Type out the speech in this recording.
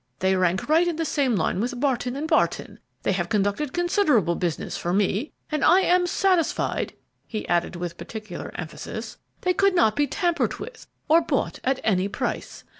They rank right in the same line with Barton & Barton; they have conducted considerable business for me, and I am satisfied," he added, with peculiar emphasis, "they could not be tampered with or bought at any price.